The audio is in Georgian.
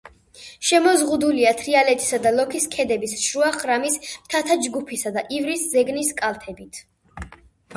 შემოზღუდულია თრიალეთისა და ლოქის ქედების, შუა ხრამის მთათა ჯგუფისა და ივრის ზეგნის კალთებით.